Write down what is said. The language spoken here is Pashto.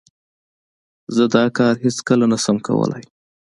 زه دا کار هیڅ کله نه شم کولای.